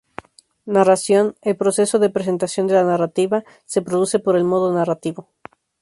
Narración, el proceso de presentación de la narrativa, se produce por el modo narrativo.